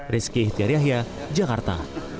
rizky tiar yahya jakarta